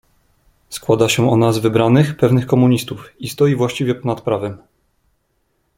"Składa się ona z wybranych, pewnych komunistów, i stoi właściwie ponad prawem."